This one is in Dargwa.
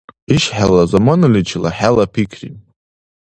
ИшхӀелла заманаличила хӀела пикри